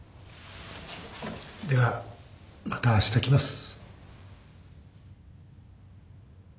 ではまたあした来ます。